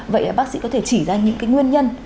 vậy bác sĩ có thể chỉ ra những cái nguyên nhân